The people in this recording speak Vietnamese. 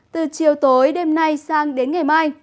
từ chiều tối đêm nay sang đến ngày mai